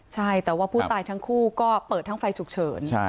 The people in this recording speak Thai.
ใช่แต่ว่าผู้ตายทั้งคู่ก็เปิดทั้งไฟฉุกเฉิน